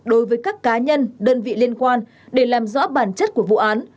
đối với các cá nhân đơn vị liên quan để làm rõ bản chất của vụ án